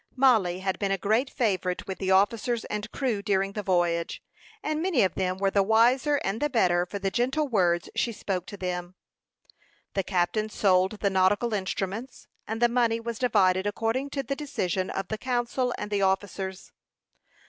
Mollie had been a great favorite with the officers and crew during the voyage, and many of them were the wiser and the better for the gentle words she spoke to them. The captain sold the nautical instruments, and the money was divided according to the decision of the council and officers.